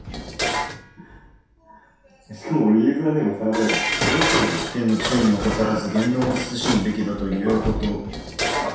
身辺の注意を怠らず、言動も慎むべきだということ。